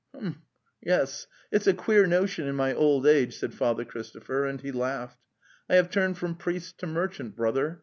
Ea mae yes)! itis/ a queer notion in) my jold age,' said Father Christopher, and he laughed. "I have turned from priest to merchant, brother.